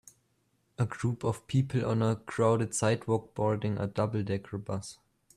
A group of people on a crowded sidewalk boarding a doubledecker bus.